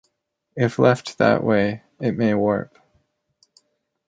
If left that way, it may warp.